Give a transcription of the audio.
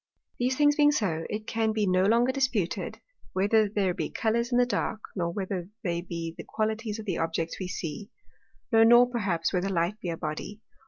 These things being so, it can be no longer disputed, whether there be Colours in the dark, nor whether they be the Qualities of the Objects we see, no nor perhaps, whether Light be a Body.